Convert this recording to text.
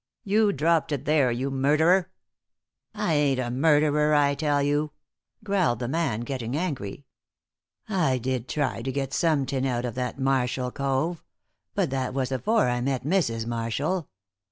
You dropped it there, you murderer!" "I ain't a murderer, I tell you," growled the man, getting angry. "I did try to get some tin out of that Marshall cove; but that was afore I met Mrs. Marshall.